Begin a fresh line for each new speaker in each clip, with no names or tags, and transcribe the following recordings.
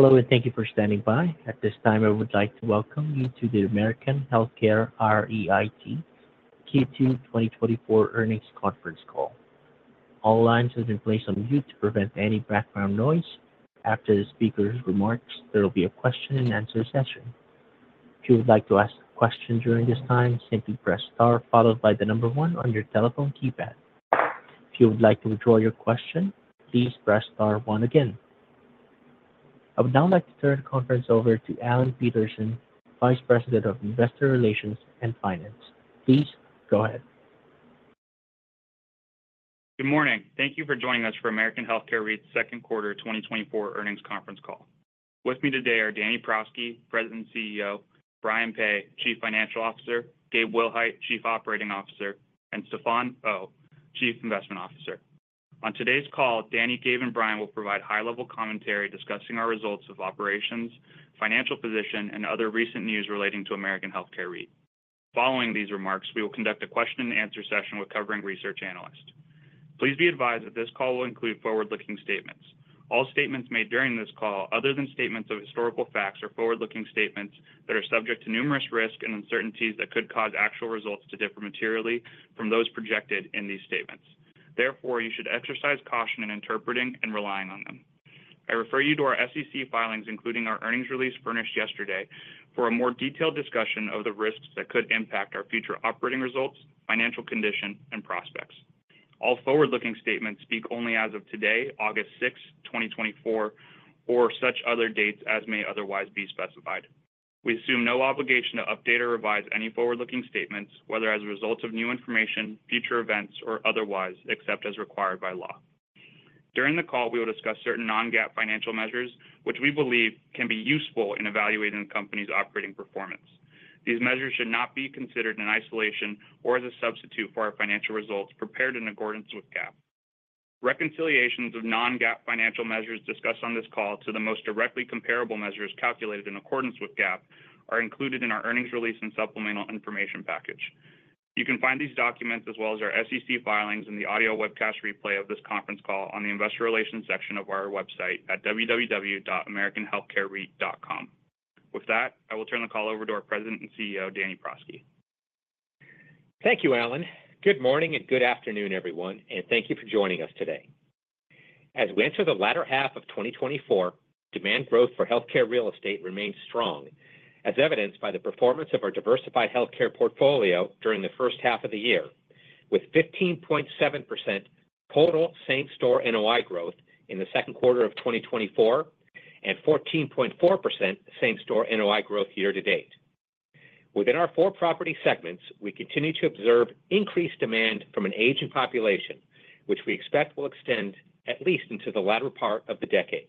Hello, and thank you for standing by. At this time, I would like to welcome you to the American Healthcare REIT Q2 2024 Earnings Conference Call. All lines have been placed on mute to prevent any background noise. After the speaker's remarks, there will be a question-and-answer session. If you would like to ask a question during this time, simply press Star followed by the number one on your telephone keypad. If you would like to withdraw your question, please press Star one again. I would now like to turn the conference over to Alan Peterson, Vice President of Investor Relations and Finance. Please go ahead.
Good morning. Thank you for joining us for American Healthcare REIT's second quarter 2024 earnings conference call. With me today are Danny Prosky, President and CEO; Brian Peay, Chief Financial Officer; Gabe Willhite, Chief Operating Officer; and Stefan Oh, Chief Investment Officer. On today's call, Danny, Gabe, and Brian will provide high-level commentary discussing our results of operations, financial position, and other recent news relating to American Healthcare REIT. Following these remarks, we will conduct a question-and-answer session with covering research analysts. Please be advised that this call will include forward-looking statements. All statements made during this call, other than statements of historical facts or forward-looking statements, that are subject to numerous risks and uncertainties that could cause actual results to differ materially from those projected in these statements. Therefore, you should exercise caution in interpreting and relying on them. I refer you to our SEC filings, including our earnings release furnished yesterday, for a more detailed discussion of the risks that could impact our future operating results, financial condition, and prospects. All forward-looking statements speak only as of today, August 6, 2024, or such other dates as may otherwise be specified. We assume no obligation to update or revise any forward-looking statements, whether as a result of new information, future events, or otherwise, except as required by law. During the call, we will discuss certain non-GAAP financial measures, which we believe can be useful in evaluating the company's operating performance. These measures should not be considered in isolation or as a substitute for our financial results prepared in accordance with GAAP. Reconciliations of non-GAAP financial measures discussed on this call to the most directly comparable measures calculated in accordance with GAAP are included in our earnings release and supplemental information package. You can find these documents, as well as our SEC filings and the audio webcast replay of this conference call, on the Investor Relations section of our website at www.americanhealthcarereit.com. With that, I will turn the call over to our President and CEO, Danny Prosky.
Thank you, Alan. Good morning and good afternoon, everyone, and thank you for joining us today. As we enter the latter half of 2024, demand growth for healthcare real estate remains strong, as evidenced by the performance of our diversified healthcare portfolio during the first half of the year, with 15.7% total same-store NOI growth in the second quarter of 2024 and 14.4% same-store NOI growth year to date. Within our four property segments, we continue to observe increased demand from an aging population, which we expect will extend at least into the latter part of the decade.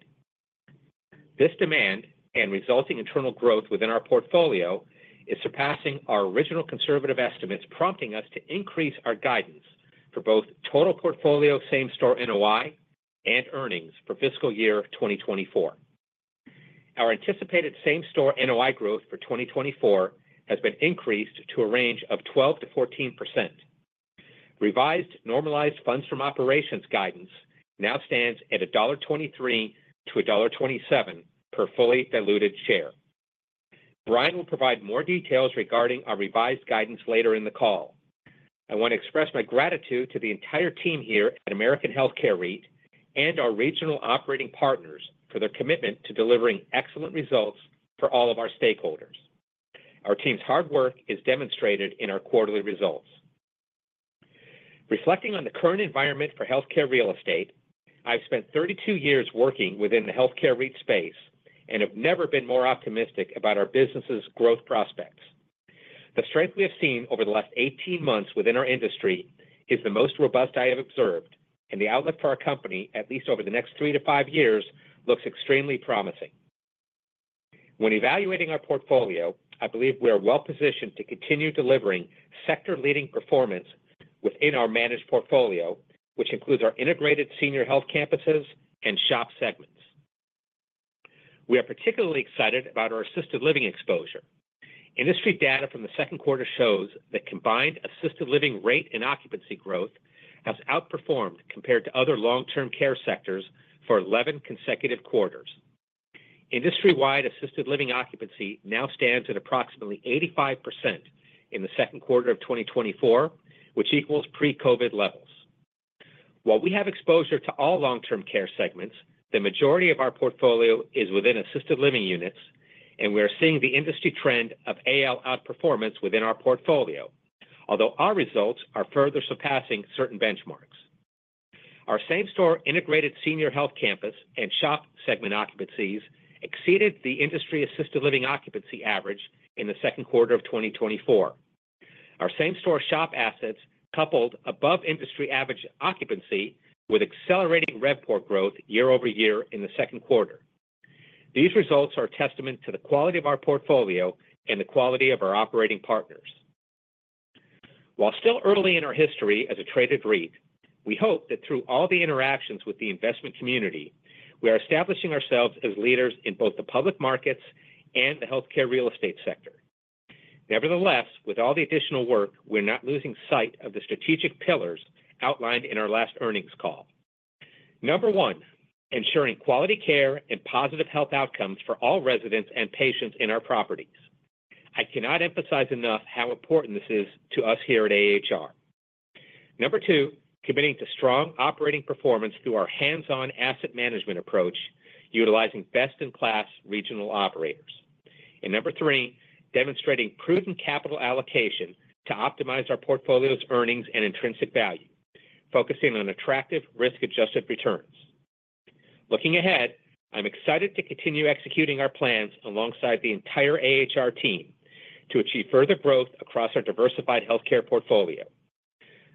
This demand and resulting internal growth within our portfolio is surpassing our original conservative estimates, prompting us to increase our guidance for both total portfolio same-store NOI and earnings for fiscal year 2024. Our anticipated same-store NOI growth for 2024 has been increased to a range of 12%-14%. Revised normalized funds from operations guidance now stands at $1.23-$1.27 per fully diluted share. Brian will provide more details regarding our revised guidance later in the call. I want to express my gratitude to the entire team here at American Healthcare REIT and our regional operating partners for their commitment to delivering excellent results for all of our stakeholders. Our team's hard work is demonstrated in our quarterly results. Reflecting on the current environment for healthcare real estate, I've spent 32 years working within the healthcare REIT space and have never been more optimistic about our business's growth prospects. The strength we have seen over the last 18 months within our industry is the most robust I have observed, and the outlook for our company, at least over the next 3 years-5 years, looks extremely promising. When evaluating our portfolio, I believe we are well positioned to continue delivering sector-leading performance within our managed portfolio, which includes our Integrated Senior Health Campuses and SHOP segments. We are particularly excited about our assisted living exposure. Industry data from the second quarter shows that combined assisted living rate and occupancy growth has outperformed compared to other long-term care sectors for 11 consecutive quarters. Industry-wide assisted living occupancy now stands at approximately 85% in the second quarter of 2024, which equals pre-COVID levels. While we have exposure to all long-term care segments, the majority of our portfolio is within assisted living units, and we are seeing the industry trend of AL outperformance within our portfolio, although our results are further surpassing certain benchmarks. Our same-store integrated senior health campus and SHOP segment occupancies exceeded the industry assisted living occupancy average in the second quarter of 2024. Our same-store SHOP assets coupled above industry average occupancy with accelerating RevPOR growth year-over-year in the second quarter. These results are a testament to the quality of our portfolio and the quality of our operating partners. While still early in our history as a traded REIT, we hope that through all the interactions with the investment community, we are establishing ourselves as leaders in both the public markets and the healthcare real estate sector... Nevertheless, with all the additional work, we're not losing sight of the strategic pillars outlined in our last earnings call. Number one, ensuring quality care and positive health outcomes for all residents and patients in our properties. I cannot emphasize enough how important this is to us here at AHR. Number two, committing to strong operating performance through our hands-on asset management approach, utilizing best-in-class regional operators. And number three, demonstrating prudent capital allocation to optimize our portfolio's earnings and intrinsic value, focusing on attractive risk-adjusted returns. Looking ahead, I'm excited to continue executing our plans alongside the entire AHR team to achieve further growth across our diversified healthcare portfolio.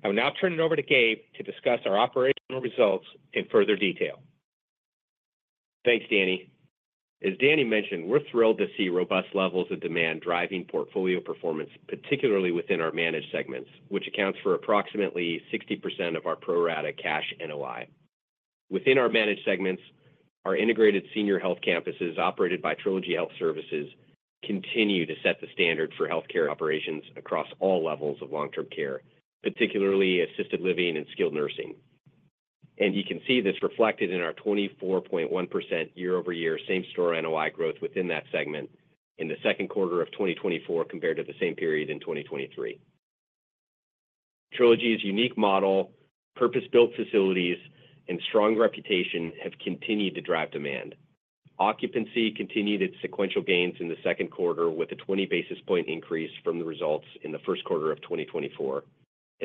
I will now turn it over to Gabe to discuss our operational results in further detail.
Thanks, Danny. As Danny mentioned, we're thrilled to see robust levels of demand driving portfolio performance, particularly within our managed segments, which accounts for approximately 60% of our pro rata cash NOI. Within our managed segments, our Integrated Senior Health Campuses, operated by Trilogy Health Services, continue to set the standard for healthcare operations across all levels of long-term care, particularly assisted living and skilled nursing. And you can see this reflected in our 24.1% year-over-year same-store NOI growth within that segment in the second quarter of 2024 compared to the same period in 2023. Trilogy's unique model, purpose-built facilities, and strong reputation have continued to drive demand. Occupancy continued its sequential gains in the second quarter, with a 20 basis point increase from the results in the first quarter of 2024,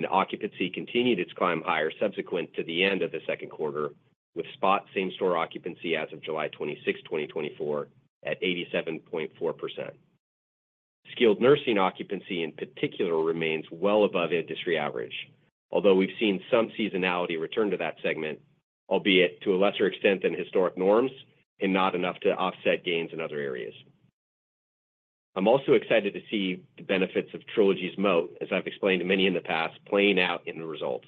and occupancy continued its climb higher subsequent to the end of the second quarter, with spot same-store occupancy as of July 26th, 2024, at 87.4%. Skilled nursing occupancy, in particular, remains well above industry average, although we've seen some seasonality return to that segment, albeit to a lesser extent than historic norms and not enough to offset gains in other areas. I'm also excited to see the benefits of Trilogy's moat, as I've explained to many in the past, playing out in the results.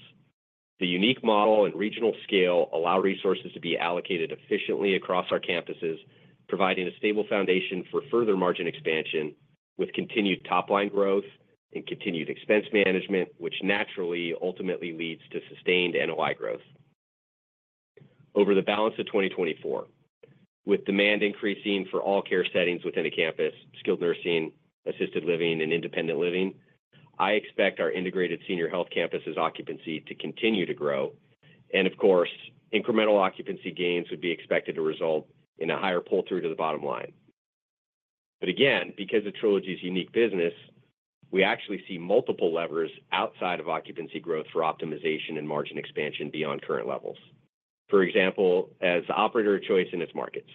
The unique model and regional scale allow resources to be allocated efficiently across our campuses, providing a stable foundation for further margin expansion, with continued top-line growth and continued expense management, which naturally, ultimately leads to sustained NOI growth. Over the balance of 2024, with demand increasing for all care settings within a campus, skilled nursing, assisted living, and independent living, I expect our Integrated Senior Health Campuses occupancy to continue to grow, and of course, incremental occupancy gains would be expected to result in a higher pull-through to the bottom line. But again, because of Trilogy's unique business, we actually see multiple levers outside of occupancy growth for optimization and margin expansion beyond current levels. For example, as the operator of choice in its markets,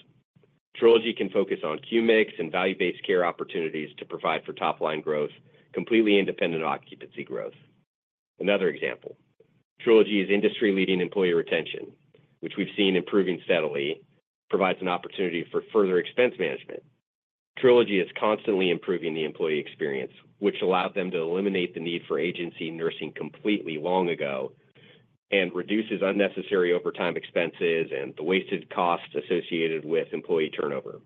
Trilogy can focus on Q-Mix and value-based care opportunities to provide for top-line growth, completely independent of occupancy growth. Another example, Trilogy's industry-leading employee retention, which we've seen improving steadily, provides an opportunity for further expense management. Trilogy is constantly improving the employee experience, which allowed them to eliminate the need for agency nursing completely long ago, and reduces unnecessary overtime expenses and the wasted costs associated with employee turnover.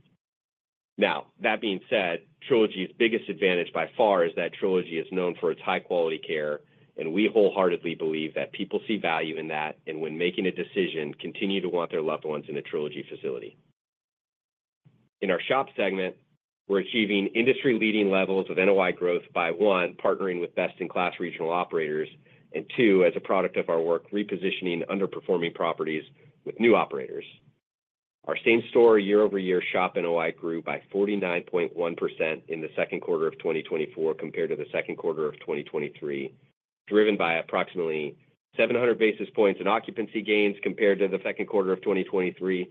Now, that being said, Trilogy's biggest advantage by far is that Trilogy is known for its high-quality care, and we wholeheartedly believe that people see value in that, and when making a decision, continue to want their loved ones in a Trilogy facility. In our SHOP segment, we're achieving industry-leading levels of NOI growth by, one, partnering with best-in-class regional operators, and two, as a product of our work, repositioning underperforming properties with new operators. Our same-store year-over-year SHOP NOI grew by 49.1% in the second quarter of 2024 compared to the second quarter of 2023, driven by approximately 700 basis points in occupancy gains compared to the second quarter of 2023,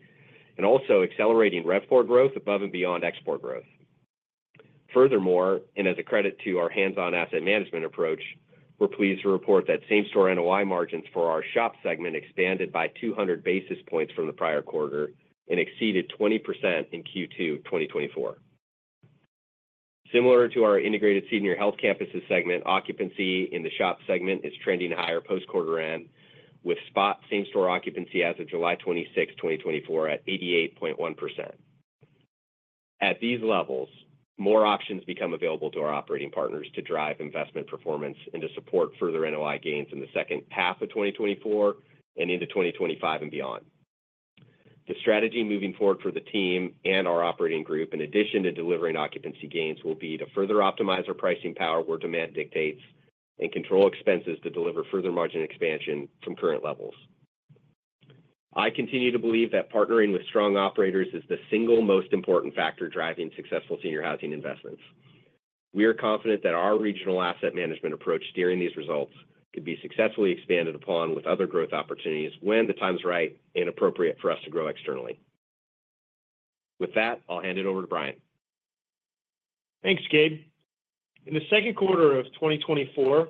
and also accelerating RevPAR growth above and beyond expense growth. Furthermore, and as a credit to our hands-on asset management approach, we're pleased to report that same-store NOI margins for our SHOP segment expanded by 200 basis points from the prior quarter and exceeded 20% in Q2 2024. Similar to our Integrated Senior Health Campuses segment, occupancy in the SHOP segment is trending higher post-quarter end, with spot same-store occupancy as of July 26th, 2024, at 88.1%. At these levels, more options become available to our operating partners to drive investment performance and to support further NOI gains in the second half of 2024 and into 2025 and beyond. The strategy moving forward for the team and our operating group, in addition to delivering occupancy gains, will be to further optimize our pricing power where demand dictates, and control expenses to deliver further margin expansion from current levels. I continue to believe that partnering with strong operators is the single most important factor driving successful senior housing investments. We are confident that our regional asset management approach steering these results could be successfully expanded upon with other growth opportunities when the time is right and appropriate for us to grow externally. With that, I'll hand it over to Brian.
Thanks, Gabe. In the second quarter of 2024,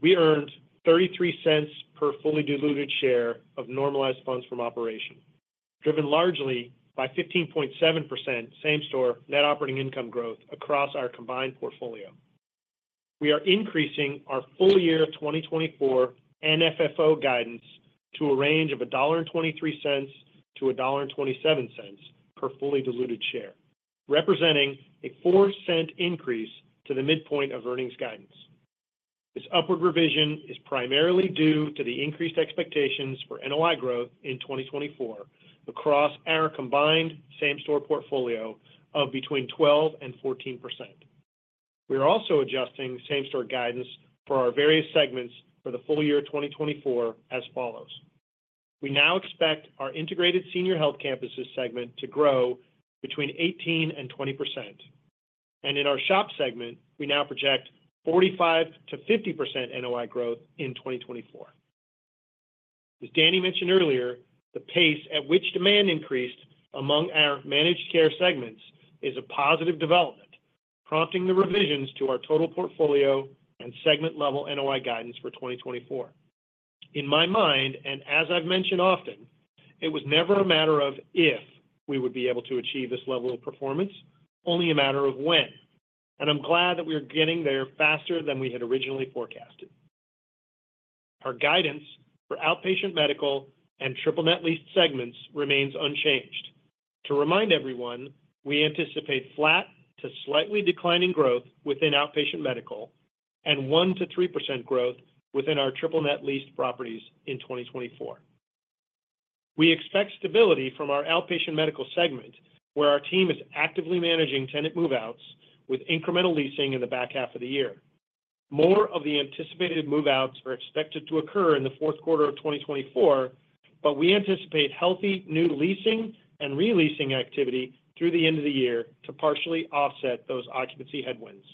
we earned $0.33 per fully diluted share of normalized funds from operations, driven largely by 15.7% same-store net operating income growth across our combined portfolio.... We are increasing our full year 2024 FFO guidance to a range of $1.23-$1.27 per fully diluted share, representing a $0.04 increase to the midpoint of earnings guidance. This upward revision is primarily due to the increased expectations for NOI growth in 2024 across our combined same-store portfolio of between 12% and 14%. We are also adjusting same-store guidance for our various segments for the full year 2024 as follows: We now expect our Integrated Senior Health Campuses segment to grow between 18% and 20%, and in our SHOP segment, we now project 45%-50% NOI growth in 2024. As Danny mentioned earlier, the pace at which demand increased among our managed care segments is a positive development, prompting the revisions to our total portfolio and segment-level NOI guidance for 2024. In my mind, and as I've mentioned often, it was never a matter of if we would be able to achieve this level of performance, only a matter of when. I'm glad that we are getting there faster than we had originally forecasted. Our guidance for outpatient medical and triple-net leased segments remains unchanged. To remind everyone, we anticipate flat to slightly declining growth within outpatient medical and 1%-3% growth within our triple-net leased properties in 2024. We expect stability from our outpatient medical segment, where our team is actively managing tenant move-outs with incremental leasing in the back half of the year. More of the anticipated move-outs are expected to occur in the fourth quarter of 2024, but we anticipate healthy new leasing and re-leasing activity through the end of the year to partially offset those occupancy headwinds.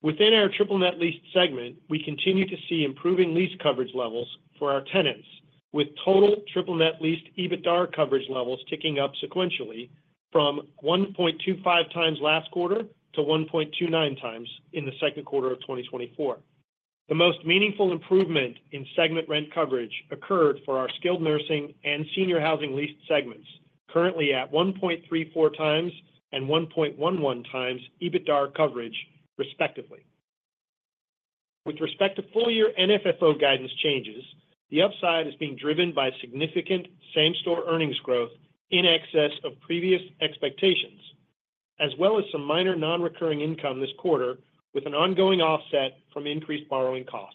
Within our triple net leased segment, we continue to see improving lease coverage levels for our tenants, with total triple net leased EBITDAR coverage levels ticking up sequentially from 1.25x last quarter to 1.29x in the second quarter of 2024. The most meaningful improvement in segment rent coverage occurred for our skilled nursing and senior housing leased segments, currently at 1.34x and 1.11x EBITDAR coverage, respectively. With respect to full-year NFFO guidance changes, the upside is being driven by significant same-store earnings growth in excess of previous expectations, as well as some minor non-recurring income this quarter, with an ongoing offset from increased borrowing costs.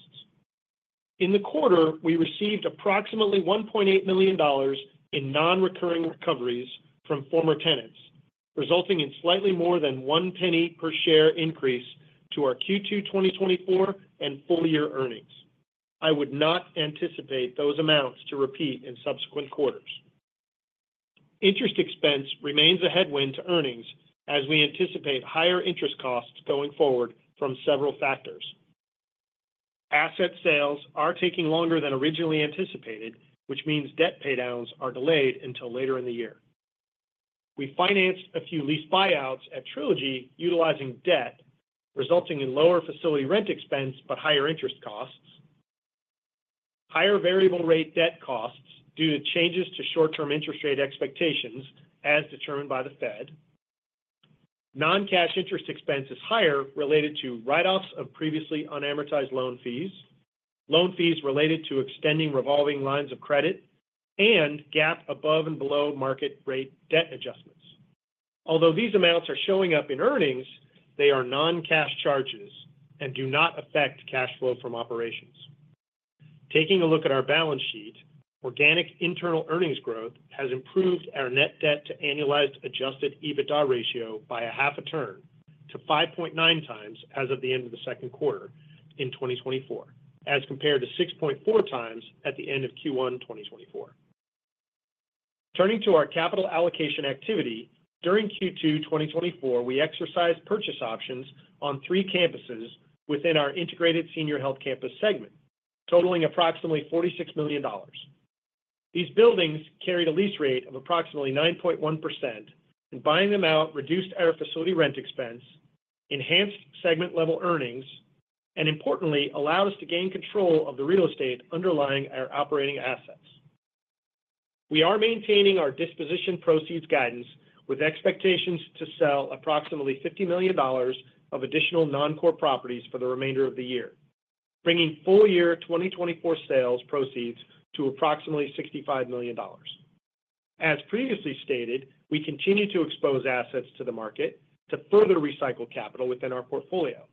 In the quarter, we received approximately $1.8 million in non-recurring recoveries from former tenants, resulting in slightly more than $0.01 per share increase to our Q2 2024 and full-year earnings. I would not anticipate those amounts to repeat in subsequent quarters. Interest expense remains a headwind to earnings as we anticipate higher interest costs going forward from several factors. Asset sales are taking longer than originally anticipated, which means debt paydowns are delayed until later in the year. We financed a few lease buyouts at Trilogy, utilizing debt, resulting in lower facility rent expense, but higher interest costs. Higher variable rate debt costs due to changes to short-term interest rate expectations as determined by the Fed. Non-cash interest expense is higher related to write-offs of previously unamortized loan fees, loan fees related to extending revolving lines of credit, and GAAP above and below market rate debt adjustments. Although these amounts are showing up in earnings, they are non-cash charges and do not affect cash flow from operations. Taking a look at our balance sheet, organic internal earnings growth has improved our net debt to annualized Adjusted EBITDAR ratio by a half a turn to 5.9x as of the end of the second quarter in 2024, as compared to 6.4x at the end of Q1 2024. Turning to our capital allocation activity, during Q2 2024, we exercised purchase options on three campuses within our integrated senior health campus segment, totaling approximately $46 million. These buildings carried a lease rate of approximately 9.1%, and buying them out reduced our facility rent expense, enhanced segment-level earnings, and importantly, allowed us to gain control of the real estate underlying our operating assets. We are maintaining our disposition proceeds guidance with expectations to sell approximately $50 million of additional non-core properties for the remainder of the year, bringing full year 2024 sales proceeds to approximately $65 million. As previously stated, we continue to expose assets to the market to further recycle capital within our portfolio.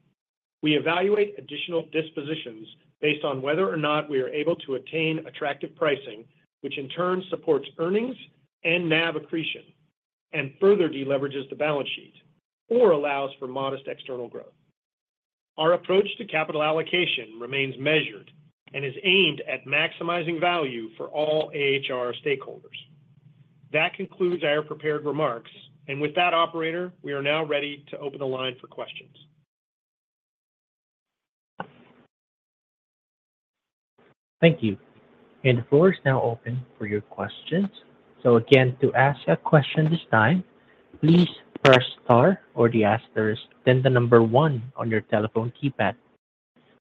We evaluate additional dispositions based on whether or not we are able to attain attractive pricing, which in turn supports earnings and NAV accretion and further de-leverages the balance sheet or allows for modest external growth. Our approach to capital allocation remains measured and is aimed at maximizing value for all AHR stakeholders. That concludes our prepared remarks, and with that operator, we are now ready to open the line for questions.
Thank you. And the floor is now open for your questions. So again, to ask a question this time, please press star or the asterisk, then the number one on your telephone keypad.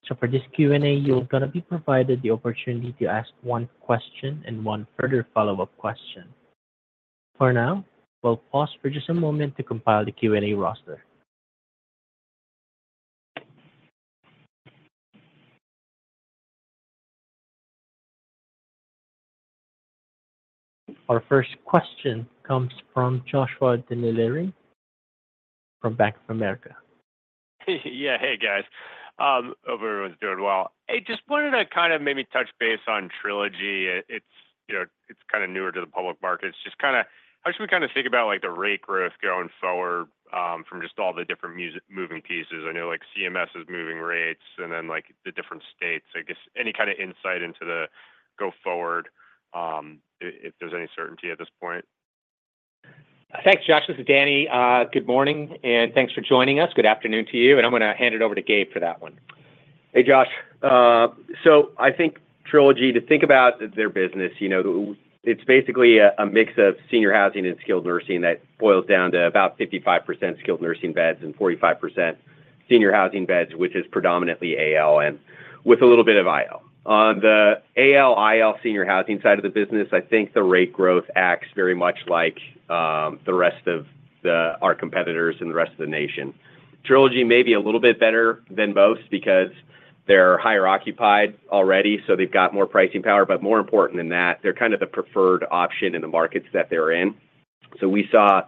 So for this Q&A, you're gonna be provided the opportunity to ask one question and one further follow-up question.... For now, we'll pause for just a moment to compile the Q&A roster. Our first question comes from Joshua Dennerlein from Bank of America.
Yeah. Hey, guys, hope everyone's doing well. Hey, just wanted to kind of maybe touch base on Trilogy. It's, you know, it's kind of newer to the public markets. Just kind of, how should we kind of think about, like, the rate growth going forward, from just all the different moving pieces? I know, like, CMS is moving rates and then, like, the different states. I guess any kind of insight into the go forward, if there's any certainty at this point.
Thanks, Josh. This is Danny. Good morning, and thanks for joining us. Good afternoon to you, and I'm gonna hand it over to Gabe for that one.
Hey, Josh. So I think Trilogy, to think about their business, you know, it's basically a mix of senior housing and skilled nursing that boils down to about 55% skilled nursing beds and 45% senior housing beds, which is predominantly AL, and with a little bit of IL. On the AL/IL senior housing side of the business, I think the rate growth acts very much like the rest of our competitors and the rest of the nation. Trilogy may be a little bit better than most because they're higher occupied already, so they've got more pricing power. But more important than that, they're kind of the preferred option in the markets that they're in. So we saw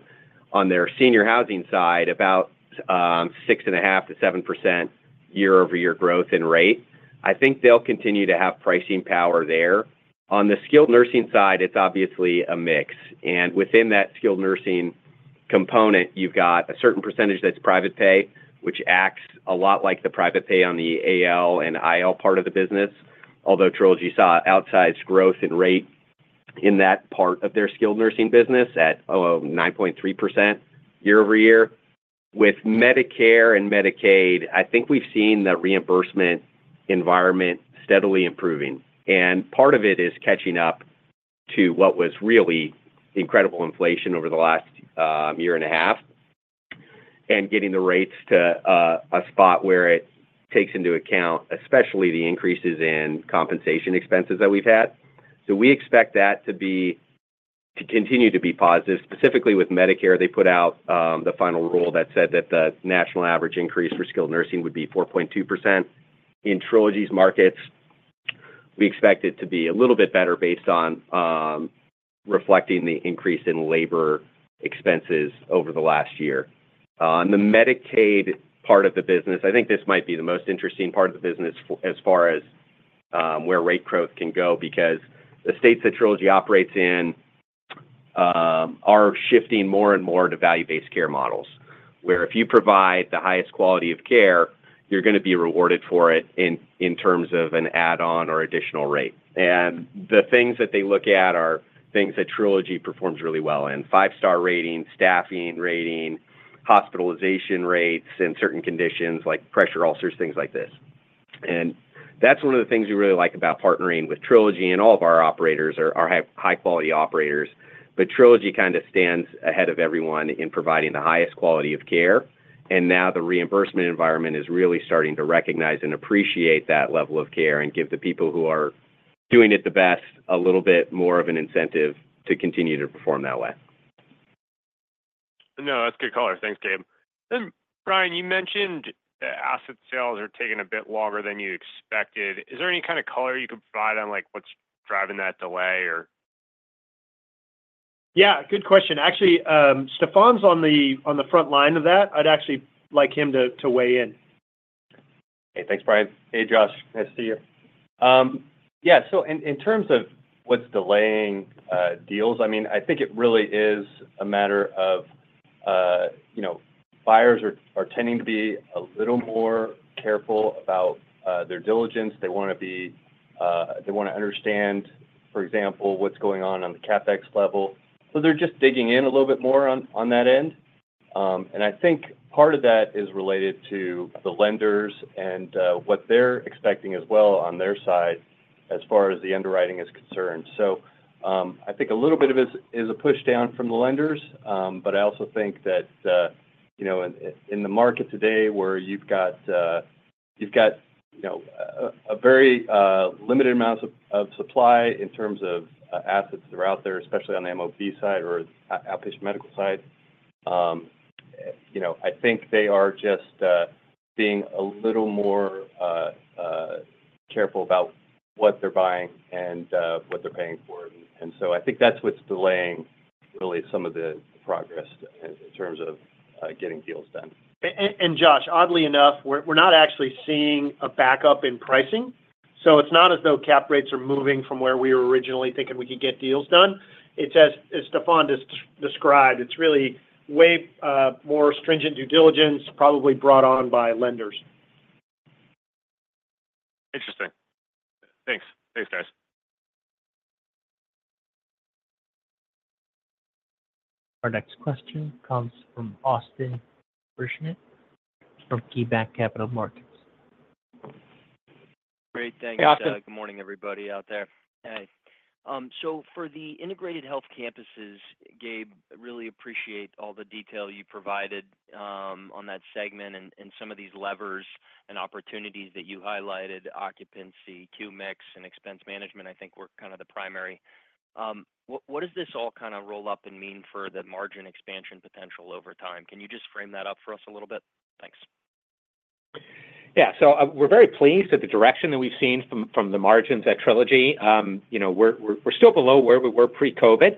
on their senior housing side about 6.5%-7% year-over-year growth in rate. I think they'll continue to have pricing power there. On the skilled nursing side, it's obviously a mix, and within that skilled nursing component, you've got a certain percentage that's private pay, which acts a lot like the private pay on the AL and IL part of the business. Although, Trilogy saw outsized growth and rate in that part of their skilled nursing business at nine point three percent year-over-year. With Medicare and Medicaid, I think we've seen the reimbursement environment steadily improving, and part of it is catching up to what was really incredible inflation over the last year and a half, and getting the rates to a spot where it takes into account, especially the increases in compensation expenses that we've had. So we expect that to continue to be positive. Specifically with Medicare, they put out the final rule that said that the national average increase for skilled nursing would be 4.2%. In Trilogy's markets, we expect it to be a little bit better based on reflecting the increase in labor expenses over the last year. On the Medicaid part of the business, I think this might be the most interesting part of the business as far as where rate growth can go, because the states that Trilogy operates in are shifting more and more to value-based care models, where if you provide the highest quality of care, you're gonna be rewarded for it in terms of an add-on or additional rate. The things that they look at are things that Trilogy performs really well in: five-star rating, staffing rating, hospitalization rates in certain conditions, like pressure ulcers, things like this. That's one of the things we really like about partnering with Trilogy, and all of our operators are, are high, high-quality operators. Trilogy kind of stands ahead of everyone in providing the highest quality of care, and now the reimbursement environment is really starting to recognize and appreciate that level of care and give the people who are doing it the best, a little bit more of an incentive to continue to perform that way.
No, that's a good color. Thanks, Gabe. Then, Brian, you mentioned the asset sales are taking a bit longer than you expected. Is there any kind of color you can provide on, like, what's driving that delay, or?
Yeah, good question. Actually, Stefan's on the front line of that. I'd actually like him to weigh in.
Hey, thanks, Brian. Hey, Josh, nice to see you. Yeah, so in terms of what's delaying deals, I mean, I think it really is a matter of, you know, buyers are tending to be a little more careful about their diligence. They wanna be, they wanna understand, for example, what's going on on the CapEx level. So they're just digging in a little bit more on that end. And I think part of that is related to the lenders and what they're expecting as well on their side as far as the underwriting is concerned. So, I think a little bit of it is a push down from the lenders, but I also think that, you know, in the market today, where you've got, you know, a very limited amount of supply in terms of assets that are out there, especially on the MOB side or outpatient medical side, you know, I think they are just being a little more careful about what they're buying and what they're paying for. And so I think that's what's delaying really some of the progress in terms of getting deals done.
And Josh, oddly enough, we're not actually seeing a backup in pricing, so it's not as though cap rates are moving from where we were originally thinking we could get deals done. It's, as Stefan described, it's really way more stringent due diligence, probably brought on by lenders.
Interesting. Thanks. Thanks, guys.
Our next question comes from Austin Wurschmidt, from KeyBanc Capital Markets.
Great, thanks.
Hey, Austin.
Good morning, everybody out there. Hey, so for the integrated health campuses, Gabe, I really appreciate all the detail you provided on that segment and some of these levers and opportunities that you highlighted, occupancy, QMix, and expense management, I think were kind of the primary. What does this all kind of roll up and mean for the margin expansion potential over time? Can you just frame that up for us a little bit? Thanks....
Yeah, so, we're very pleased with the direction that we've seen from the margins at Trilogy. You know, we're still below where we were pre-COVID,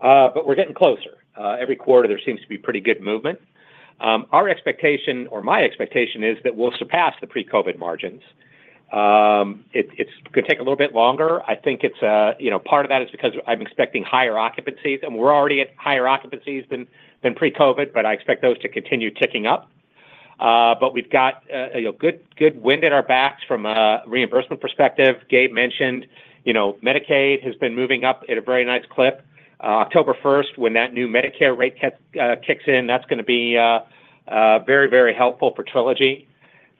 but we're getting closer. Every quarter, there seems to be pretty good movement. Our expectation or my expectation is that we'll surpass the pre-COVID margins. It's gonna take a little bit longer. I think it's, you know, part of that is because I'm expecting higher occupancies, and we're already at higher occupancies than pre-COVID, but I expect those to continue ticking up. But we've got a good wind at our backs from a reimbursement perspective. Gabe mentioned, you know, Medicaid has been moving up at a very nice clip. October first, when that new Medicare rate kicks in, that's gonna be very, very helpful for Trilogy.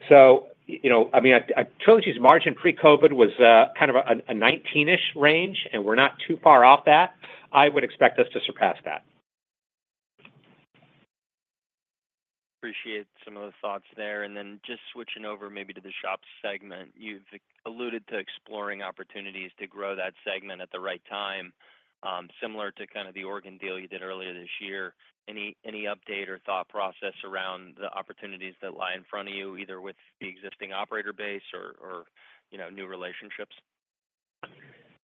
So, you know, I mean, Trilogy's margin pre-COVID was kind of a 19-ish range, and we're not too far off that. I would expect us to surpass that.
Appreciate some of the thoughts there. And then just switching over maybe to the SHOP segment. You've alluded to exploring opportunities to grow that segment at the right time, similar to kind of the Oregon deal you did earlier this year. Any update or thought process around the opportunities that lie in front of you, either with the existing operator base or, you know, new relationships?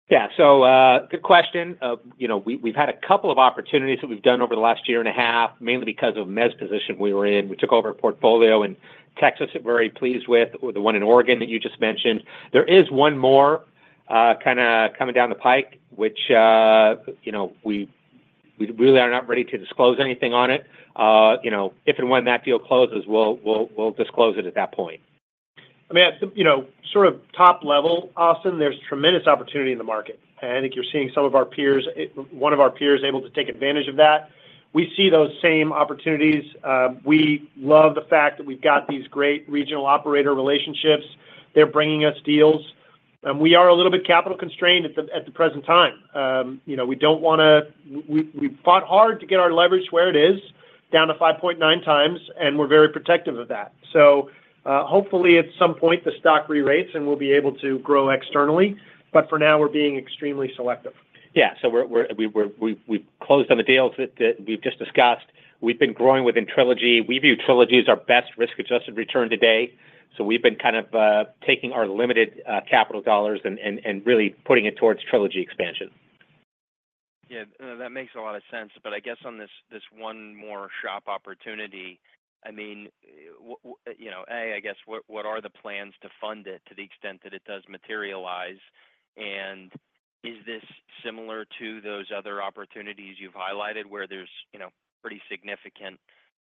Yeah. So, good question. You know, we've had a couple of opportunities that we've done over the last year and a half, mainly because of our position we were in. We took over a portfolio in Texas that we're very pleased with, or the one in Oregon that you just mentioned. There is one more, kinda coming down the pike, which, you know, we really are not ready to disclose anything on it. You know, if and when that deal closes, we'll disclose it at that point.
I mean, at some, you know, sort of top level, Austin, there's tremendous opportunity in the market, and I think you're seeing some of our peers, one of our peers able to take advantage of that. We see those same opportunities. We love the fact that we've got these great regional operator relationships. They're bringing us deals, and we are a little bit capital constrained at the present time. You know, we don't wanna, we fought hard to get our leverage where it is, down to 5.9x, and we're very protective of that. So, hopefully, at some point, the stock re-rates, and we'll be able to grow externally, but for now, we're being extremely selective.
Yeah. So we're, we've closed on the deals that we've just discussed. We've been growing within Trilogy. We view Trilogy as our best risk-adjusted return today, so we've been kind of taking our limited capital dollars and really putting it towards Trilogy expansion.
Yeah, that makes a lot of sense. But I guess on this, this one more SHOP opportunity, I mean, you know, A, I guess, what, what are the plans to fund it to the extent that it does materialize? And is this similar to those other opportunities you've highlighted, where there's, you know, pretty significant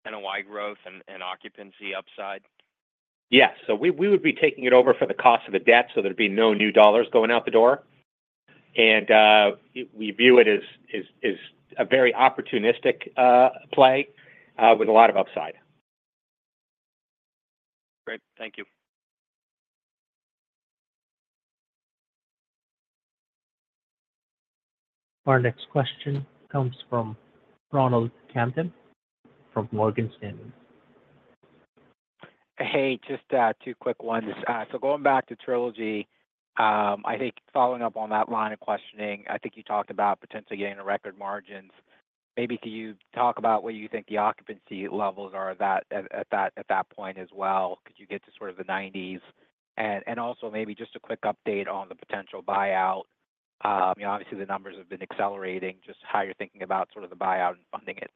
NOI growth and, and occupancy upside?
Yeah. So we would be taking it over for the cost of the debt, so there'd be no new dollars going out the door. And we view it as a very opportunistic play with a lot of upside.
Great. Thank you.
Our next question comes from Ronald Kamdem from Morgan Stanley.
Hey, just two quick ones. So going back to Trilogy, I think following up on that line of questioning, I think you talked about potentially getting a record margins. Maybe could you talk about what you think the occupancy levels are at that point as well? Could you get to sort of the nineties? And also maybe just a quick update on the potential buyout. You know, obviously, the numbers have been accelerating, just how you're thinking about sort of the buyout and funding it.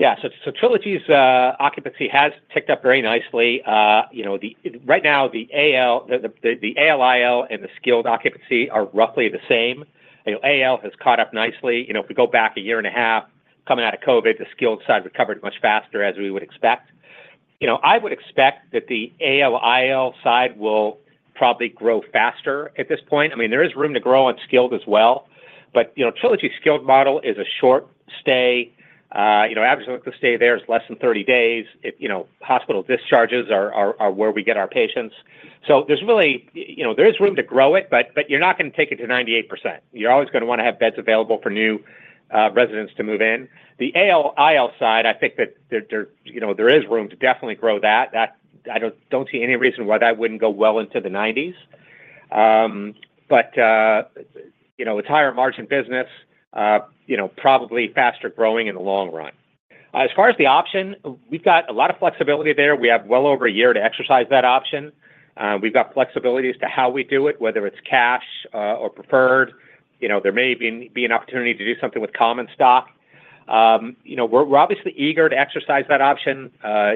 Yeah. So Trilogy's occupancy has ticked up very nicely. You know, right now, the AL, the ALIL and the skilled occupancy are roughly the same. You know, AL has caught up nicely. You know, if we go back a year and a half, coming out of COVID, the skilled side recovered much faster than we would expect. You know, I would expect that the ALIL side will probably grow faster at this point. I mean, there is room to grow on skilled as well, but, you know, Trilogy skilled model is a short stay. You know, average length of stay there is less than 30 days. You know, hospital discharges are where we get our patients. So there's really, you know, there is room to grow it, but you're not gonna take it to 98%. You're always gonna wanna have beds available for new residents to move in. The ALIL side, I think that you know, there is room to definitely grow that. I don't see any reason why that wouldn't go well into the nineties. But you know, it's higher margin business, you know, probably faster growing in the long run. As far as the option, we've got a lot of flexibility there. We have well over a year to exercise that option. We've got flexibility as to how we do it, whether it's cash or preferred. You know, there may be an opportunity to do something with common stock. You know, we're obviously eager to exercise that option.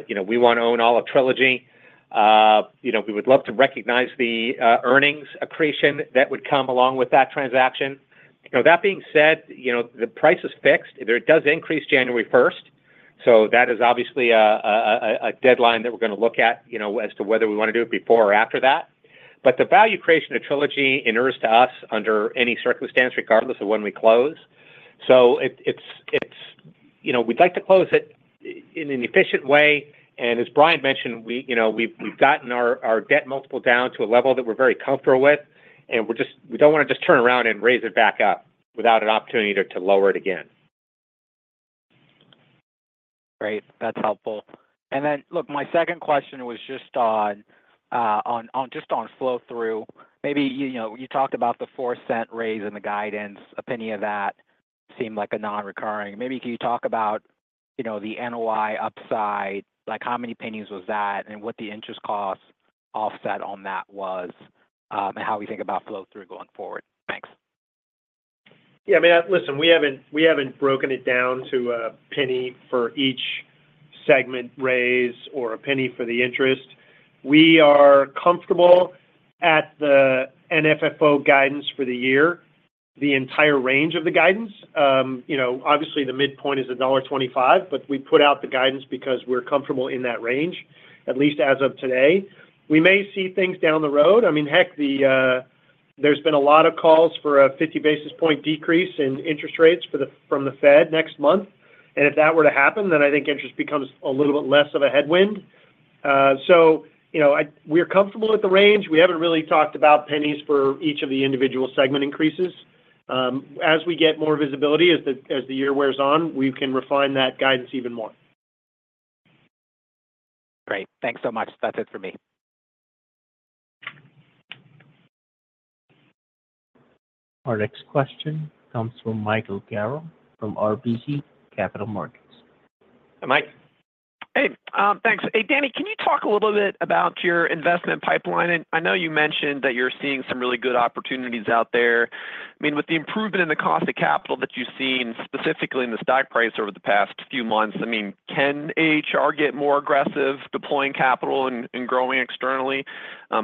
You know, we want to own all of Trilogy. You know, we would love to recognize the earnings accretion that would come along with that transaction. You know, that being said, you know, the price is fixed. It does increase January first, so that is obviously a deadline that we're gonna look at, you know, as to whether we want to do it before or after that. But the value creation of Trilogy inures to us under any circumstance, regardless of when we close. So it's, you know, we'd like to close it in an efficient way. And as Brian mentioned, we, you know, we've gotten our debt multiple down to a level that we're very comfortable with, and we're just—we don't want to just turn around and raise it back up without an opportunity to lower it again.
Great. That's helpful. And then, look, my second question was just on flow-through. Maybe, you know, you talked about the 4-cent raise and the guidance opinion of that seemed like a non-recurring. Maybe can you talk about, you know, the NOI upside, like, how many pennies was that? And what the interest cost offset on that was, and how we think about flow-through going forward? Thanks.
Yeah, I mean, listen, we haven't, we haven't broken it down to a penny for each segment raise or a penny for the interest. We are comfortable at the NFFO guidance for the year, the entire range of the guidance. You know, obviously, the midpoint is $1.25, but we put out the guidance because we're comfortable in that range, at least as of today. We may see things down the road. I mean, heck, the, there's been a lot of calls for a 50 basis point decrease in interest rates for the, from the Fed next month, and if that were to happen, then I think interest becomes a little bit less of a headwind. So you know, we're comfortable with the range. We haven't really talked about pennies for each of the individual segment increases. As we get more visibility, as the year wears on, we can refine that guidance even more.
Great. Thanks so much. That's it for me.
Our next question comes from Michael Carroll from RBC Capital Markets.
Hi, Mike.
Hey, thanks. Hey, Danny, can you talk a little bit about your investment pipeline? I know you mentioned that you're seeing some really good opportunities out there. I mean, with the improvement in the cost of capital that you've seen, specifically in the stock price over the past few months, I mean, can AHR get more aggressive deploying capital and growing externally,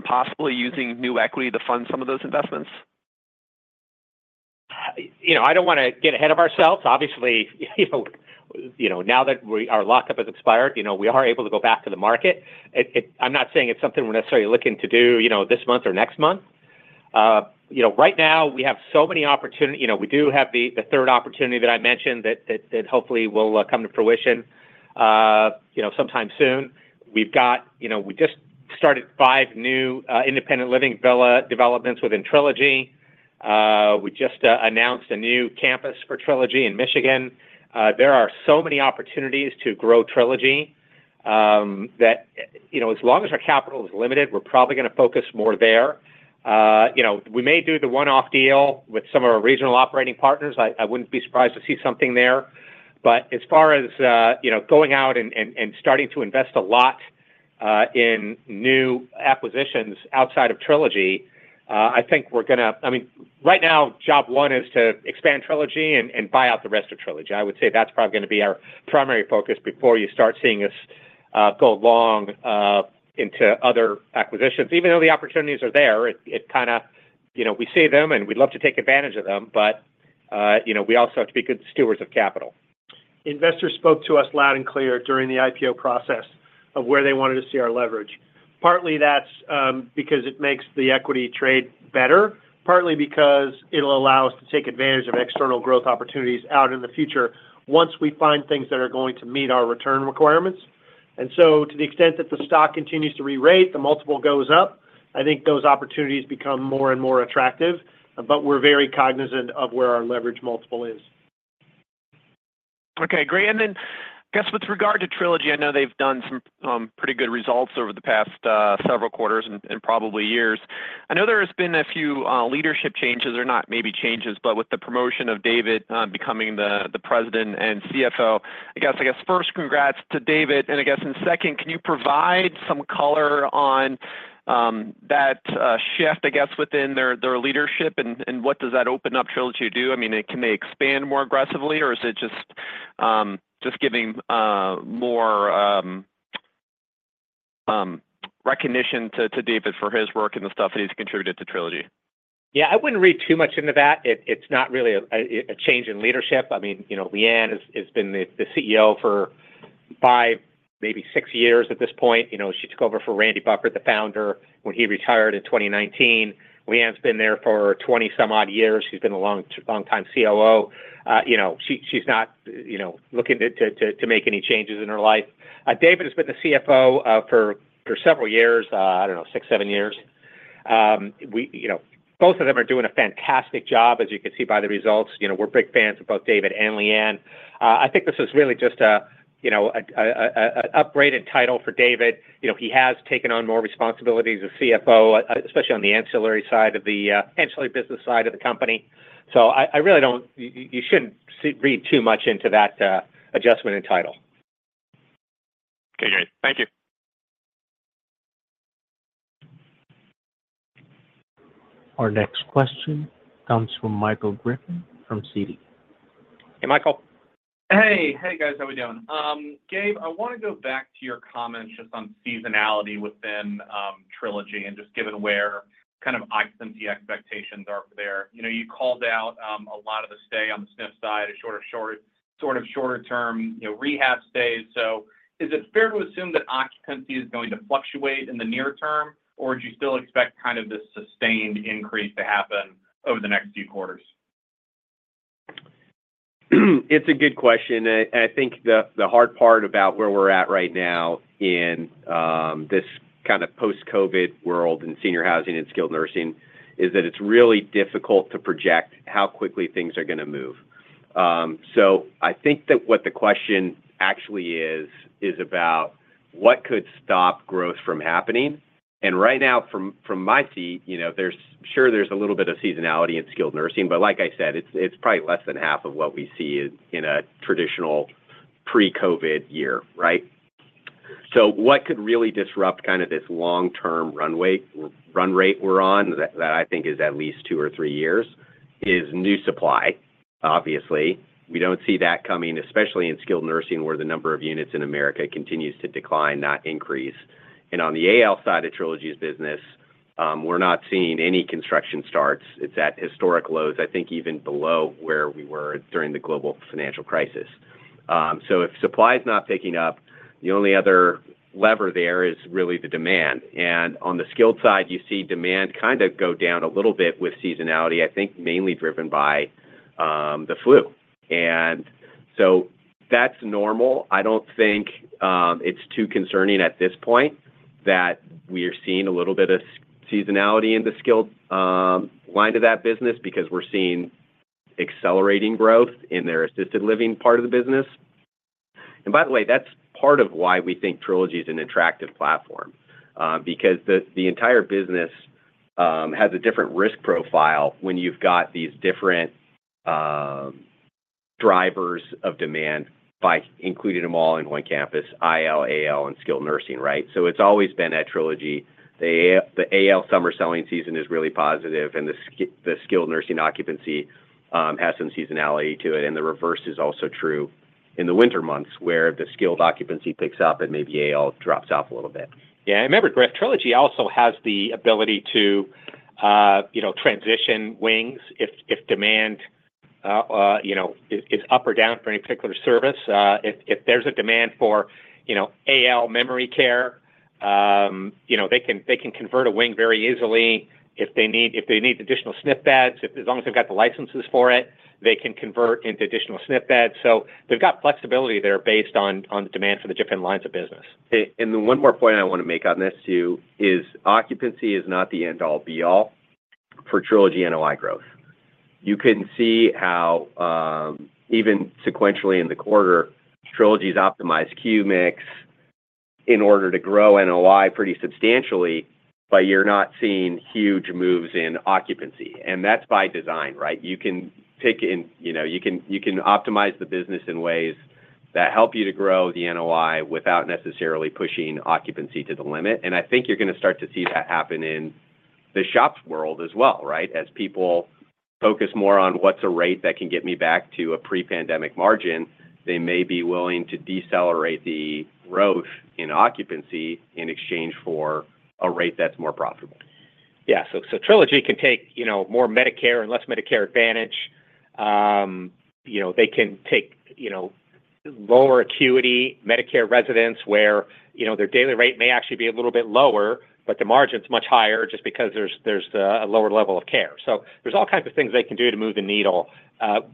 possibly using new equity to fund some of those investments?
You know, I don't wanna get ahead of ourselves. Obviously, you know, you know, now that our lockup has expired, you know, we are able to go back to the market. I'm not saying it's something we're necessarily looking to do, you know, this month or next month. You know, right now, we have so many opportunities. You know, we do have the third opportunity that I mentioned that hopefully will come to fruition, you know, sometime soon. We've got. You know, we just started five new independent living villa developments within Trilogy. We just announced a new campus for Trilogy in Michigan. There are so many opportunities to grow Trilogy, that, you know, as long as our capital is limited, we're probably gonna focus more there. You know, we may do the one-off deal with some of our regional operating partners. I wouldn't be surprised to see something there. But as far as, you know, going out and starting to invest a lot in new acquisitions outside of Trilogy, I think we're gonna. I mean, right now, job one is to expand Trilogy and buy out the rest of Trilogy. I would say that's probably gonna be our primary focus before you start seeing us go long into other acquisitions. Even though the opportunities are there, it kinda. You know, we see them, and we'd love to take advantage of them, but, you know, we also have to be good stewards of capital. Investors spoke to us loud and clear during the IPO process of where they wanted to see our leverage. Partly that's because it makes the equity trade better, partly because it'll allow us to take advantage of external growth opportunities out in the future once we find things that are going to meet our return requirements. And so to the extent that the stock continues to rerate, the multiple goes up, I think those opportunities become more and more attractive, but we're very cognizant of where our leverage multiple is.
Okay, great. And then, I guess, with regard to Trilogy, I know they've done some pretty good results over the past several quarters and probably years. I know there has been a few leadership changes, or not maybe changes, but with the promotion of David becoming the President and CFO. I guess first, congrats to David, and second, can you provide some color on that shift, I guess, within their leadership and what does that open up Trilogy to do? I mean, can they expand more aggressively, or is it just giving more recognition to David for his work and the stuff that he's contributed to Trilogy?
Yeah, I wouldn't read too much into that. It's not really a change in leadership. I mean, you know, Leigh Ann has been the CEO for 5 years, maybe 6 years at this point. You know, she took over for Randy Bufford, the founder, when he retired in 2019. Leigh Ann's been there for 20 some odd years, she's been a longtime COO. You know, she's not looking to make any changes in her life. David has been the CFO for several years, I don't know, 6, 7 years. We, you know, both of them are doing a fantastic job, as you can see by the results. You know, we're big fans of both David and Leigh Ann. I think this is really just a, you know, an upgraded title for David. You know, he has taken on more responsibilities as CFO, especially on the ancillary side of the ancillary business side of the company. So you shouldn't read too much into that adjustment and title.
Okay, great. Thank you.
Our next question comes from Michael Griffin from Citi.
Hey, Michael.
Hey, hey, guys, how we doing? Gabe, I wanna go back to your comments just on seasonality within Trilogy and just given where kind of occupancy expectations are there. You know, you called out a lot of the stay on the SNF side, a sort of shorter term, you know, rehab stays. So is it fair to assume that occupancy is going to fluctuate in the near term, or do you still expect kind of this sustained increase to happen over the next few quarters?
It's a good question. I think the hard part about where we're at right now in this kind of post-COVID world in senior housing and skilled nursing is that it's really difficult to project how quickly things are gonna move. I think that what the question-... actually is about what could stop growth from happening. And right now, from my seat, you know, there's, sure, there's a little bit of seasonality in skilled nursing, but like I said, it's probably less than half of what we see in a traditional pre-COVID year, right? So what could really disrupt kind of this long-term runway, run rate we're on, that I think is at least two or three years, is new supply, obviously. We don't see that coming, especially in skilled nursing, where the number of units in America continues to decline, not increase. And on the AL side of Trilogy's business, we're not seeing any construction starts. It's at historic lows, I think even below where we were during the global financial crisis. So if supply is not picking up, the only other lever there is really the demand. On the skilled side, you see demand kind of go down a little bit with seasonality, I think, mainly driven by the flu. So that's normal. I don't think it's too concerning at this point that we are seeing a little bit of seasonality in the skilled line of that business, because we're seeing accelerating growth in their assisted living part of the business. And by the way, that's part of why we think Trilogy is an attractive platform, because the entire business has a different risk profile when you've got these different drivers of demand by including them all in one campus, IL, AL, and skilled nursing, right? So it's always been at Trilogy. The AL summer selling season is really positive, and the skilled nursing occupancy has some seasonality to it, and the reverse is also true in the winter months, where the skilled occupancy picks up and maybe AL drops off a little bit.
Yeah, and remember, Greg, Trilogy also has the ability to, you know, transition wings if demand, you know, is up or down for any particular service. If there's a demand for, you know, AL memory care, you know, they can convert a wing very easily. If they need additional SNF beds, as long as they've got the licenses for it, they can convert into additional SNF beds. So they've got flexibility there based on the demand for the different lines of business.
Hey, and one more point I want to make on this, too, is occupancy is not the end-all, be-all for Trilogy NOI growth. You can see how, even sequentially in the quarter, Trilogy's optimized Q mix in order to grow NOI pretty substantially, but you're not seeing huge moves in occupancy, and that's by design, right? You know, you can optimize the business in ways that help you to grow the NOI without necessarily pushing occupancy to the limit. And I think you're going to start to see that happen in the SHOPs world as well, right? As people focus more on what's a rate that can get me back to a pre-pandemic margin, they may be willing to decelerate the growth in occupancy in exchange for a rate that's more profitable.
Yeah, so Trilogy can take, you know, more Medicare and less Medicare Advantage. You know, they can take, you know, lower acuity Medicare residents where, you know, their daily rate may actually be a little bit lower, but the margin's much higher just because there's a lower level of care. So there's all kinds of things they can do to move the needle,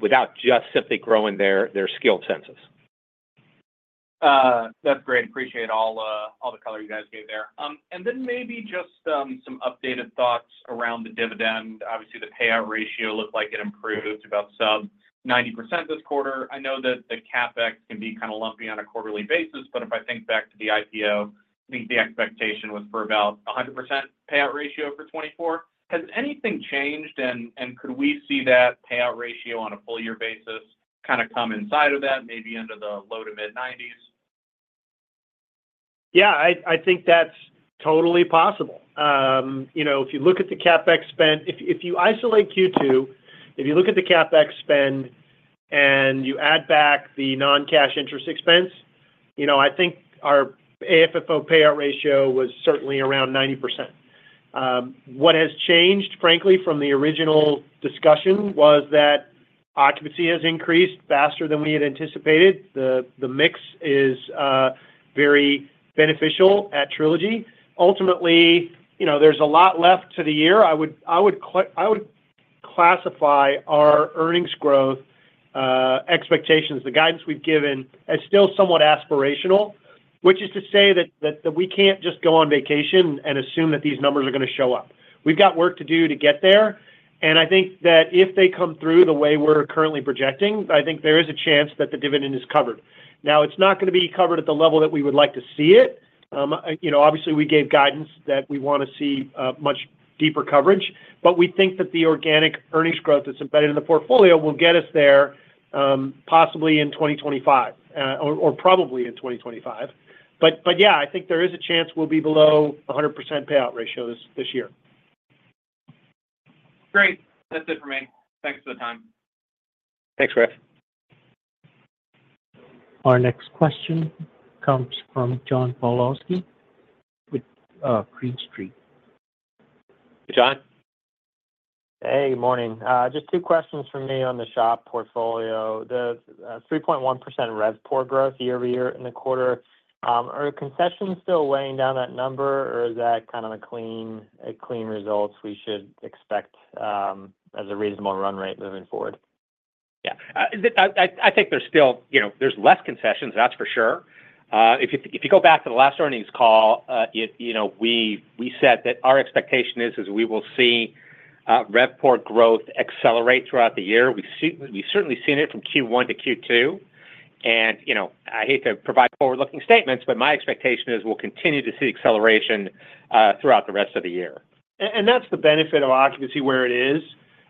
without just simply growing their skilled census.
That's great. Appreciate all, all the color you guys gave there. And then maybe just, some updated thoughts around the dividend. Obviously, the payout ratio looked like it improved about sub 90% this quarter. I know that the CapEx can be kind of lumpy on a quarterly basis, but if I think back to the IPO, I think the expectation was for about 100% payout ratio for 2024. Has anything changed, and, and could we see that payout ratio on a full year basis, kind of come inside of that, maybe into the low to mid-90s?
Yeah, I think that's totally possible. You know, if you isolate Q2, if you look at the CapEx spend and you add back the non-cash interest expense, you know, I think our AFFO payout ratio was certainly around 90%. What has changed, frankly, from the original discussion, was that occupancy has increased faster than we had anticipated. The mix is very beneficial at Trilogy. Ultimately, you know, there's a lot left to the year. I would classify our earnings growth expectations, the guidance we've given, as still somewhat aspirational, which is to say that we can't just go on vacation and assume that these numbers are going to show up. We've got work to do to get there, and I think that if they come through the way we're currently projecting, I think there is a chance that the dividend is covered. Now, it's not going to be covered at the level that we would like to see it. You know, obviously, we gave guidance that we want to see much deeper coverage, but we think that the organic earnings growth that's embedded in the portfolio will get us there, possibly in 2025, or probably in 2025. But yeah, I think there is a chance we'll be below 100% payout ratio this year.
Great. That's it for me. Thanks for the time.
Thanks, Greg.
Our next question comes from John Pawlowski with Green Street.
John?
Hey, good morning. Just two questions from me on the SHOP portfolio. The 3.1% RevPOR growth year-over-year in the quarter, are concessions still weighing down that number, or is that kind of a clean, a clean results we should expect, as a reasonable run rate moving forward?
Yeah. I think there's still... You know, there's less concessions, that's for sure. If you go back to the last earnings call, you know, we said that our expectation is we will see RevPOR growth accelerate throughout the year. We've certainly seen it from Q1-Q2, and, you know, I hate to provide forward-looking statements, but my expectation is we'll continue to see acceleration throughout the rest of the year.
That's the benefit of occupancy where it is.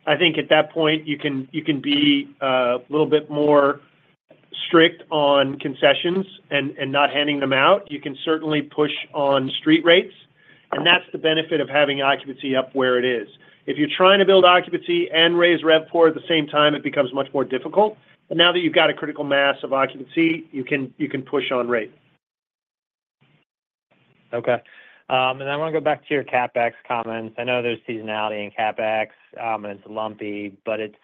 I think at that point, you can be a little bit more strict on concessions and not handing them out. You can certainly push on street rates, and that's the benefit of having occupancy up where it is. If you're trying to build occupancy and raise RevPOR at the same time, it becomes much more difficult. But now that you've got a critical mass of occupancy, you can push on rate.
Okay. And I wanna go back to your CapEx comments. I know there's seasonality in CapEx, and it's lumpy, but it's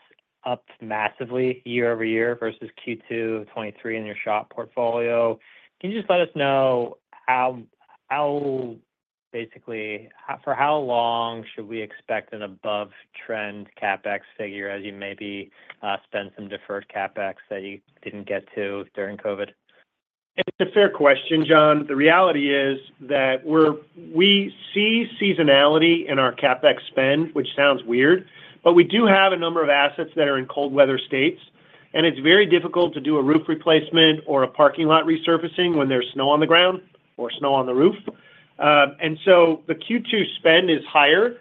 up massively year-over-year versus Q2 2023 in your SHOP portfolio. Can you just let us know how basically for how long should we expect an above-trend CapEx figure, as you maybe spend some deferred CapEx that you didn't get to during COVID?
It's a fair question, John. The reality is that we see seasonality in our CapEx spend, which sounds weird, but we do have a number of assets that are in cold weather states, and it's very difficult to do a roof replacement or a parking lot resurfacing when there's snow on the ground or snow on the roof. And so the Q2 spend is higher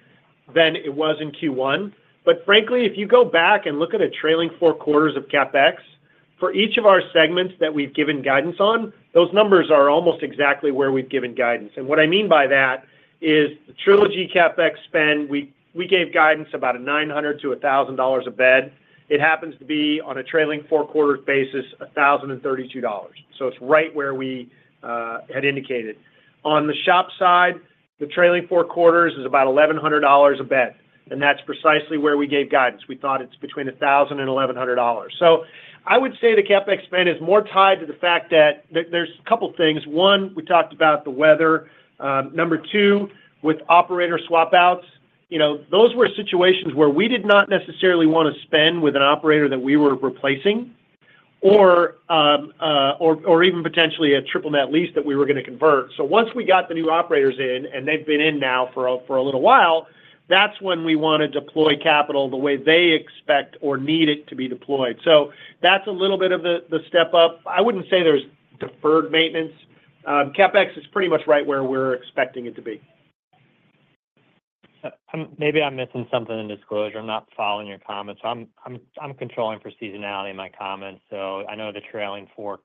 than it was in Q1. But frankly, if you go back and look at a trailing four quarters of CapEx, for each of our segments that we've given guidance on, those numbers are almost exactly where we've given guidance. And what I mean by that is the Trilogy CapEx spend, we gave guidance about $900-$1,000 a bed. It happens to be on a trailing four-quarter basis, $1,032. So it's right where we had indicated. On the SHOP side, the trailing four quarters is about $1,100 a bed, and that's precisely where we gave guidance. We thought it's between $1,000 and $1,100. So I would say the CapEx spend is more tied to the fact that... There's a couple things. One, we talked about the weather. Number two, with operator swap outs, you know, those were situations where we did not necessarily wanna spend with an operator that we were replacing or even potentially a triple-net lease that we were gonna convert. So once we got the new operators in, and they've been in now for a little while, that's when we wanna deploy capital the way they expect or need it to be deployed. So that's a little bit of the step up. I wouldn't say there's deferred maintenance. CapEx is pretty much right where we're expecting it to be.
Maybe I'm missing something in disclosure. I'm not following your comments. I'm controlling for seasonality in my comments, so I know the trailing four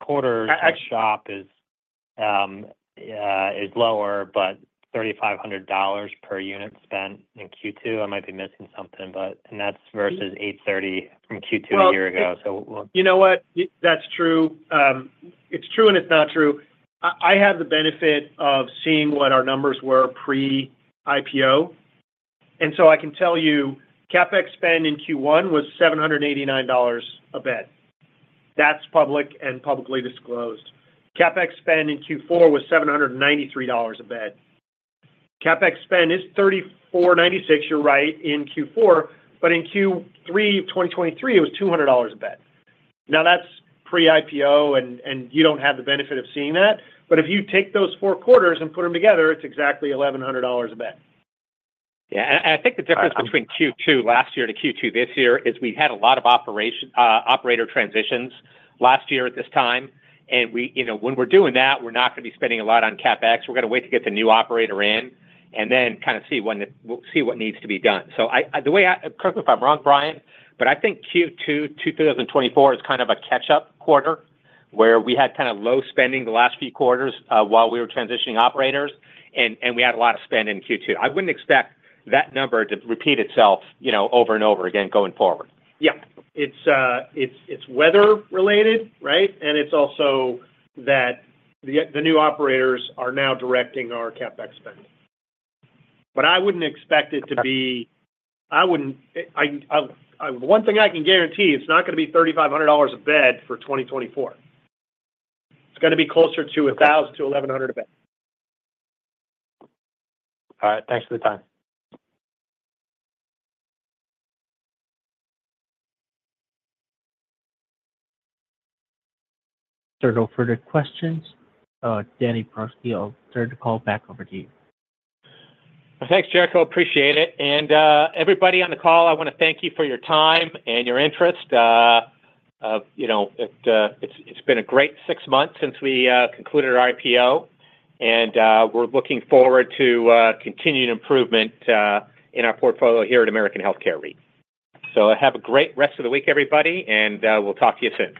quarters-
A-
- At SHOP is lower, but $3,500 per unit spent in Q2. I might be missing something, but... And that's versus $830 from Q2 a year ago. So-
You know what? That's true. It's true, and it's not true. I have the benefit of seeing what our numbers were pre-IPO, and so I can tell you CapEx spend in Q1 was $789 a bed. That's public and publicly disclosed. CapEx spend in Q4 was $793 a bed. CapEx spend is $3,496, you're right, in Q4, but in Q3 of 2023, it was $200 a bed. Now, that's pre-IPO, and you don't have the benefit of seeing that, but if you take those four quarters and put them together, it's exactly $1,100 a bed.
Yeah, and I think the difference-
All right.
Between Q2 last year to Q2 this year, is we had a lot of operator transitions last year at this time, and we... You know, when we're doing that, we're not gonna be spending a lot on CapEx. We're gonna wait to get the new operator in, and then kind of see when the- we'll see what needs to be done. So I, the way I... Correct me if I'm wrong, Brian, but I think Q2 2024 is kind of a catch-up quarter, where we had kind of low spending the last few quarters, while we were transitioning operators, and we had a lot of spend in Q2. I wouldn't expect that number to repeat itself, you know, over and over again going forward.
Yeah. It's weather related, right? And it's also that the new operators are now directing our CapEx spend. But I wouldn't expect it to be-
Okay.
I wouldn't... One thing I can guarantee, it's not gonna be $3,500 a bed for 2024. It's gonna be closer to $1,000-$1,100 a bed.
All right, thanks for the time.
There are no further questions. Danny Prosky, I'll turn the call back over to you.
Thanks, Jericho, appreciate it. And, everybody on the call, I wanna thank you for your time and your interest. You know, it's been a great six months since we concluded our IPO, and, we're looking forward to continued improvement in our portfolio here at American Healthcare REIT. So have a great rest of the week, everybody, and, we'll talk to you soon.